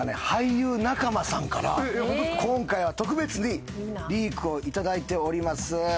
俳優仲間さんから今回は特別にリークを頂いております。